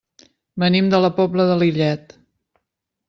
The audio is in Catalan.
Venim de la Pobla de Lillet.